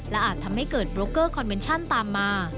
อาจทำให้เกิดโบรกเกอร์คอนเมนชั่นตามมา